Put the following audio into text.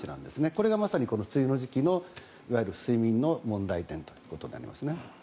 これがまさに梅雨の時期のいわゆる睡眠の問題点となりますね。